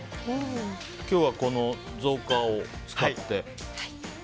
今日はこの造花を使って。